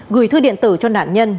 gửi thư điện tử cho nạn nhân